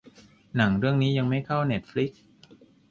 หนังเรื่องนี้ยังไม่เข้าเน็ตฟลิกซ์